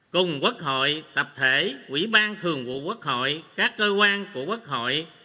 cùng quốc hội tập thể quỹ ban thường vụ quốc hội các cơ quan của quốc hội